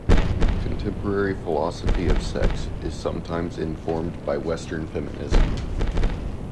Contemporary philosophy of sex is sometimes informed by Western feminism.